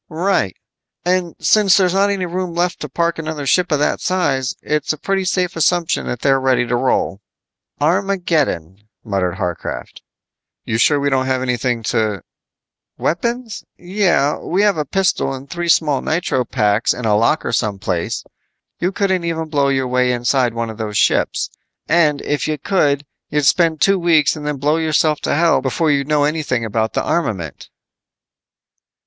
"Right. And since there's not any room left to park another ship of that size, it's a pretty safe assumption that they are ready to roll." "Armageddon," muttered Harcraft. "You sure we don't have anything to " "Weapons? Yeah. We have a pistol and three small nitro paks in a locker some place. You couldn't even blow your way inside one of those ships. And if you could, you'd spend two weeks and then blow yourself to hell before you'd know anything about the armament."